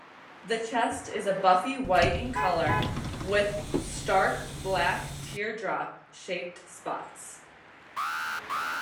The chest is a buffy-white in color with stark black teardrop shaped spots.